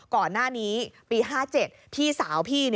ก่อนหน้านี้ปี๕๗